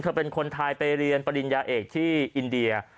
เป็นคนไทยไปเรียนปริญญาเอกที่อินเดีย